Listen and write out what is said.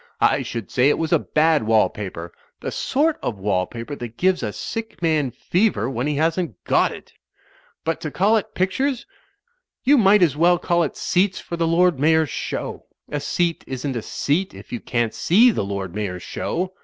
I should say it was a bad wall paper; the sort of wall paper that gives a sick man fever when he hasn't got it But to call it pictures — ^you might as well call it seats for the Lord Mayor's Show. A seat isn't a seat if you can't see the Lord Mayor's Show.